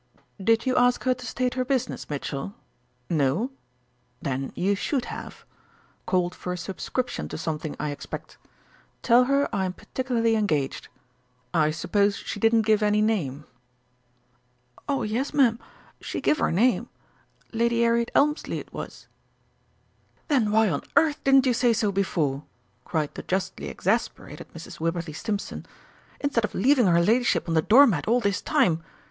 "Did you ask her to state her business, Mitchell?... No? Then you should have. Called for a subscription to something, I expect. Tell her I am particularly engaged. I suppose she didn't give any name?" "Oh yes, m'm. She give her name Lady 'Arriet Elmslie, it was." "Then why on earth didn't you say so before," cried the justly exasperated Mrs. Wibberley Stimpson, "instead of leaving her ladyship on the door mat all this time?